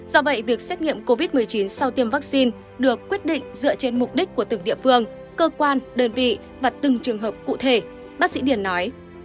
do vậy việc xét nghiệm covid một mươi chín sau tiêm vaccine được quyết định dựa trên mục đích của từng địa phương cơ quan đơn vị và từng trường hợp cụ thể bác sĩ điển nói